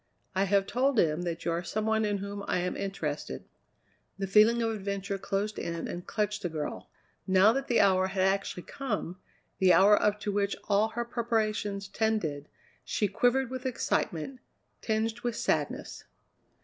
I have told him that you are some one in whom I am interested." The feeling of adventure closed in and clutched the girl. Now that the hour had actually come, the hour up to which all her preparations tended, she quivered with excitement tinged with sadness.